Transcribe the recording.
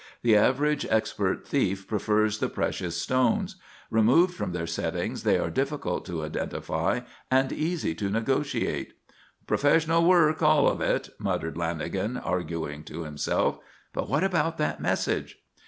The average expert thief prefers the precious stones. Removed from their settings they are difficult to identify and easy to negotiate. "Professional work, all of it," muttered Lanagan, arguing to himself. "But what about that message?"